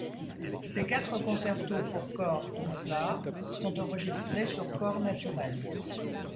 Ses quatre concertos pour cor de Mozart sont enregistrés sur cor naturel.